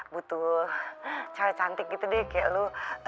butuh cara cantik gitu deh kayak lo